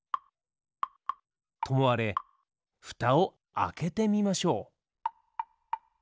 ともあれふたをあけてみましょう。